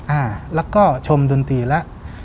อ่าแล้วก็ชมดนตรีแล้ว